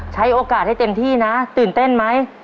ใช้โอกาสให้เต็มที่นะตื่นเต้นไหม